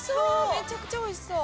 めちゃくちゃおいしそう！